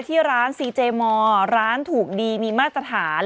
ที่ร้านซีเจมอร์ร้านถูกดีมีมาตรฐาน